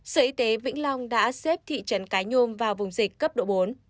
sở y tế vĩnh long đã xếp thị trấn cái nhôm vào vùng dịch cấp độ bốn